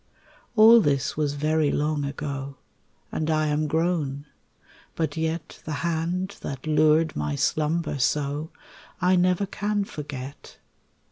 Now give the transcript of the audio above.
All this was very long ago And I am grown; but yet The hand that lured my slumber so I never can forget.